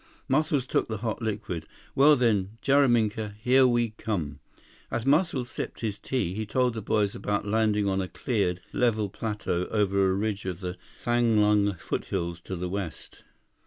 Muscles took the hot liquid. "Well then, Jaraminka, here we come." As Muscles sipped his tea, he told the boys about landing on a cleared, level plateau over a ridge of the Thanglung foothills to the west.